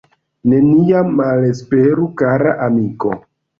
Neniam malesperu kara amiko.